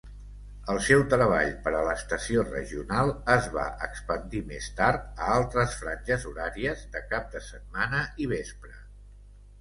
El seu treball per a l'estació regional es va expandir més tard a altres franges horàries de cap de setmana i vespre.